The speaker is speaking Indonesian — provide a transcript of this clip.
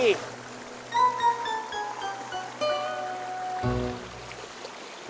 makan ya teh